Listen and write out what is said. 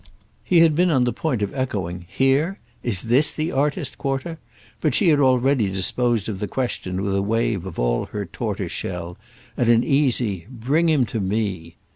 He had been on the point of echoing "'Here'?—is this the artist quarter?" but she had already disposed of the question with a wave of all her tortoise shell and an easy "Bring him to _me!